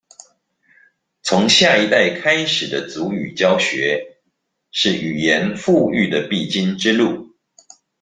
從下一代開始的族語教學，是語言復育的必經之路